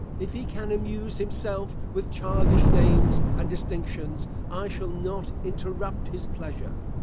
If he can amuse himself with childish names and distinctions, I shall not interrupt his pleasure.